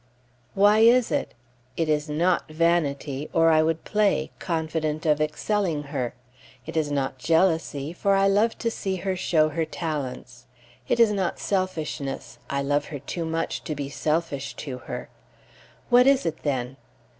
Why is it? It is not vanity, or I would play, confident of excelling her. It is not jealousy, for I love to see her show her talents. It is not selfishness; I love her too much to be selfish to her. What is it then?